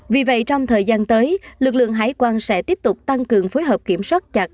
vì vậy trong thời gian tới lực lượng hải quan sẽ tiếp tục tăng cường phối hợp kiểm soát chặt